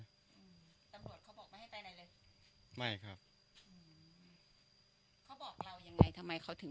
ตำรวจเขาบอกไม่ให้ไปไหนเลย